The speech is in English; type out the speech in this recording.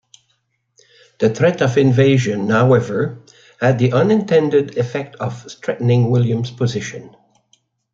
The threat of invasion, however, had the unintended effect of strengthening William's position.